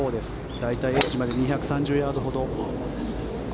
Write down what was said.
大体エッジまで２３０ヤードほど。